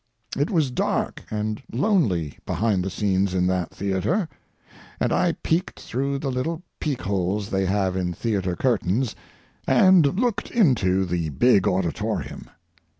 It was dark and lonely behind the scenes in that theatre, and I peeked through the little peekholes they have in theatre curtains and looked into the big auditorium.